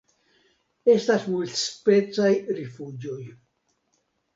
Estas multspecaj rifuĝoj.